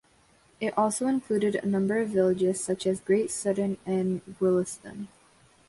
It also included a number of villages such as Great Sutton and Willaston.